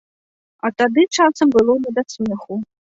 А тады часам было не да смеху.